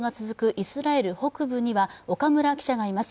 イスラエル北部には岡村記者がいます。